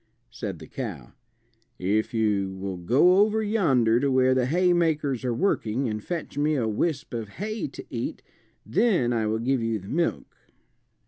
Said the cow, "If you will go over yonder to where the haymakers are working and fetch me a wisp of hay to eat, then I will give you the milk."